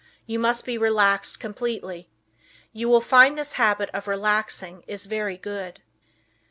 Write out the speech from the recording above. You must be relaxed completely. You will find this habit of relaxing is very good.